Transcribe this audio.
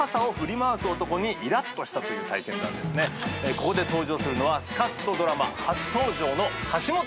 ここで登場するのはスカッとドラマ初登場の橋本環奈ちゃんです。